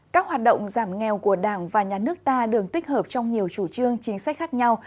các hoạt động giảm nghèo của đảng và nhà nước ta được tích hợp trong nhiều chủ trương chính sách khác nhau